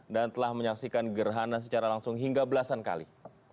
dan telah menyaksikan gerhana secara langsung hingga belasan kali